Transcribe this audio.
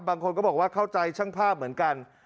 บางคนก็บอกว่าเข้าใจช่างภาพเหมือนกัน